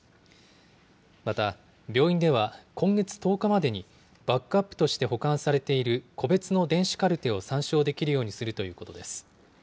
また、病院では今月１０日までに、バックアップとして保管されている個別の電子カルテを参照できるようにするということです。